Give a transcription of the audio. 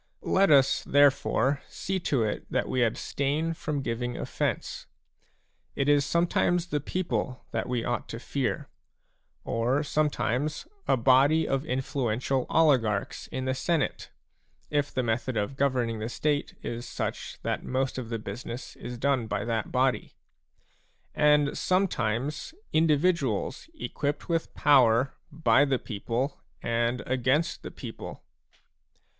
Let us, therefore, see to it that we abstain from giving offence. It is sometimes the people that we ought to fear ; or sometimes a body of influential oligarchs in the Senate, if the method of governing the State is such that most of the business is done by that body ; and sometimes individuals equipped with power by the people and against the people.